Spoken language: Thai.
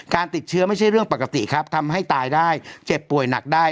ติดเชื้อไม่ใช่เรื่องปกติครับทำให้ตายได้เจ็บป่วยหนักได้